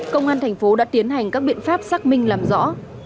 công an thành phố đã tiến hành các biện pháp xác minh làm rõ